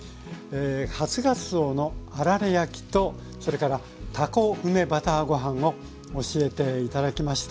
「初がつおのあられ焼き」とそれから「たこ梅バターご飯」を教えて頂きました。